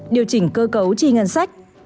điều chỉnh cơ cấu chi ngân sách